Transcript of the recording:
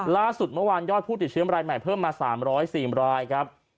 ล่าสุดเมื่อวานยอดผู้ติดเชื้อรายใหม่เพิ่มมา๓๐๔รายครับ